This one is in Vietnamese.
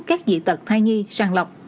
các dị tật thay nhi sàng lọc